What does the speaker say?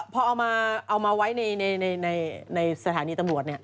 พอเอามาไว้ในสถานีตำรวจ